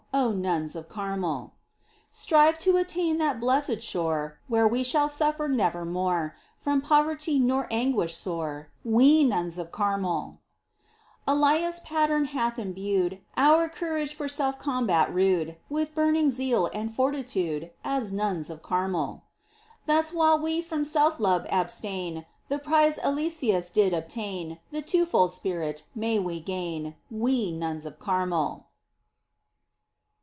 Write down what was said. O nuns of Carmel ! Strive to attain that blessed shore Where we shall suñer nevermore From poverty nor anguish sore, We nuns of Carmel ! Elias' pattern hath imbued Our courage for self combat rude With burning zeal and fortitude, As nuns of Carmel. . Thus, while we from self love abstain. The prize Eliseus did obtain. The two fold spirit, may we gain. We nuns of Carmel